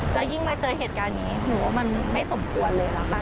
แล้วยิ่งมาเจอเหตุการณ์นี้หนูว่ามันไม่สมควรเลยล่ะค่ะ